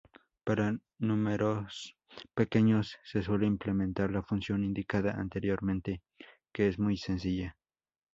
Para números pequeños se suele implementar la función indicada anteriormente, que es muy sencilla.